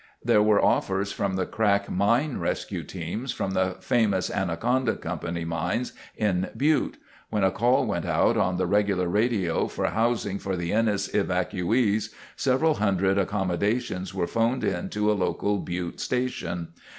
There were offers from the crack mine rescue teams from the famous Anaconda Company mines in Butte. When a call went out on the regular radio for housing for the Ennis evacuees, several hundred accommodations were phoned in to a local Butte station.